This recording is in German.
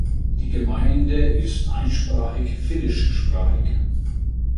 Die Gemeinde ist einsprachig finnischsprachig.